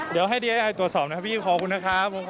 ไม่เกี่ยวเลยครับ